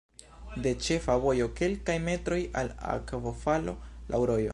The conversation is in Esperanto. De ĉefa vojo kelkaj metroj al akvofalo laŭ rojo.